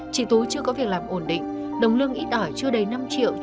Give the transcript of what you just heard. chị tú chưa có việc làm ổn định đồng lương ý tỏi chưa đầy năm triệu chỉ đủ trang trạch